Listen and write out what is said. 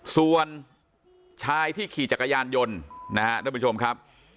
ส่วนชายที่ขี่จักรยานยนต์นะฮะท่านผู้ชมครับ